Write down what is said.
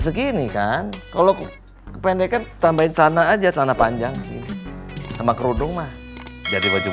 segini kan kalau kependekan tambahin celana aja celana panjang sama kerudung mah jadi baju